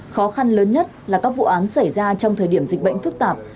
khó khăn lớn nhất là các vụ án xảy ra trong thời điểm dịch bệnh phức tạp